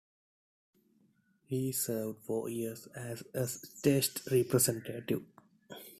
He served four years as a state representative.